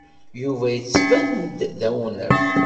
Yuba yettban-d d awnaf.